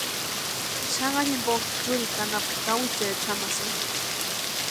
Xanharu jimpo churikwa anapu kawichaecha jamasïnti.